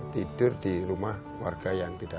tidur di rumah warga yang tidak